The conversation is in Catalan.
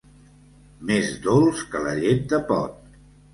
Més dolç que la llet de pot.